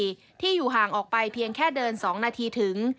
ที่อยู่ห่างออกไปเพียงแค่เดิน๒นาทีถึง